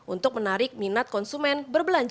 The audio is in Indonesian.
untuk menarik minat konsumen berbelanja di ritel lainnya